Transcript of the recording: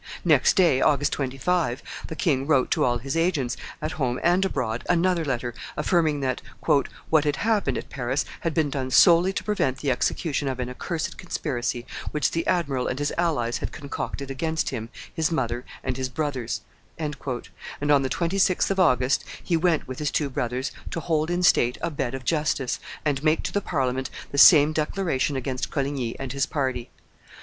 Next day, August 25, the king wrote to all his agents, at home and abroad, another letter, affirming that "what had happened at Paris had been done solely to prevent the execution of an accursed conspiracy which the admiral and his allies had concocted against him, his mother, and his brothers;" and, on the 26th of August, he went with his two brothers to hold in state a bed of justice, and make to the Parliament the same declaration against Coligny and his party.